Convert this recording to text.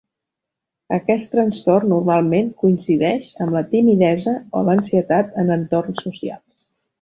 Aquest trastorn normalment coincideix amb la timidesa o l'ansietat en entorns socials.